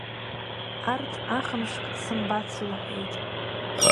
Арҭ ахымшк дсымбац лҳәеит.